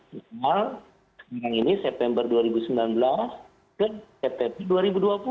misal yang ini september dua ribu sembilan belas ke september dua ribu dua puluh